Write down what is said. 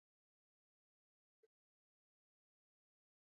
Ni jiwe la teo lililolengwa na kutorejea tena lilikotoka